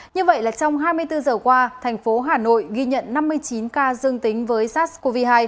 như vậy là trong hai mươi bốn giờ qua thành phố hà nội ghi nhận năm mươi chín ca dương tính với sars cov hai